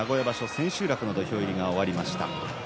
千秋楽の土俵入りが終わりました。